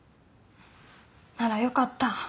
ならよかった。